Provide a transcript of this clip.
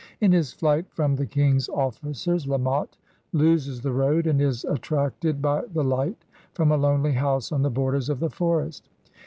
In his flight from the King's officers La Motte loses the road, and is attracted by the light from a lonely house on the borders of the forest.